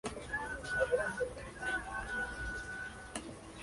La guerra terminó, pero la importación de mano de obra extranjera no lo hizo.